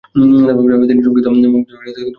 তিনি সংগীত সংঘ মহাবিদ্যালয়ের সিনিয়র শিক্ষক ছিলেন।